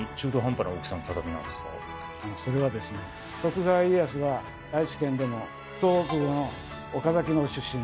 それはですね徳川家康は愛知県でも東部の岡崎の出身です。